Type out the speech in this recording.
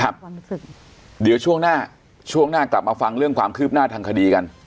ความรู้สึกเดี๋ยวช่วงหน้าช่วงหน้ากลับมาฟังเรื่องความคืบหน้าทางคดีกัน